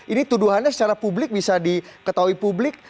ini tuduhannya secara publik bisa diketahui publik